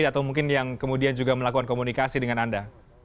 atau mungkin yang kemudian juga melakukan komunikasi dengan anda